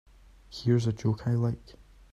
Here's a joke I like.